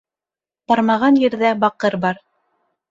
Бармаған ерҙә баҡыр бар